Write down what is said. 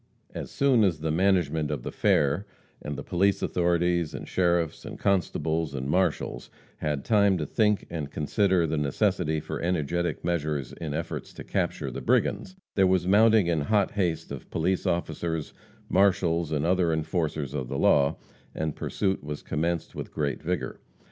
As soon as the "management" of the fair and the police authorities, and sheriffs, and constables, and marshals had time to think and consider the necessity for energetic measures in efforts to capture the brigands, there was mounting in hot haste of police officers, marshals and other enforcers of the law, and pursuit was commenced with great vigor.